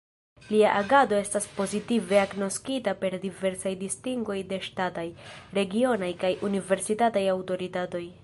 Lia agado estis pozitive agnoskita per diversaj distingoj de ŝtataj, regionaj kaj universitataj aŭtoritatoj.